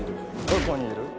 どこにいる？